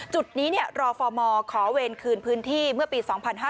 จุดนี้รอฟอร์มขอเวรคืนพื้นที่เมื่อปี๒๕๕๙